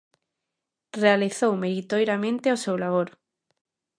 Realizou meritoriamente o seu labor.